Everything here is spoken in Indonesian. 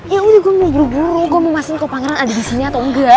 ya udah gue mau buru buru gue mau masang kok pangeran ada di sini atau enggak